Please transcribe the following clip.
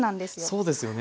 そうですよね。